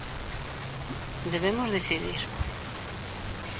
Debemos decidir!